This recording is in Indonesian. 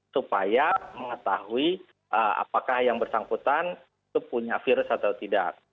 supaya mengetahui apakah yang bersangkutan itu punya virus atau tidak